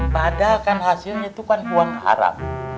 padahal kan hasilnya itu kan uang haram